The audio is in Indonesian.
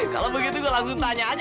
kalau begitu langsung tanya aja